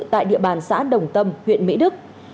tại địa bàn xã đồng tâm huyện mỹ đức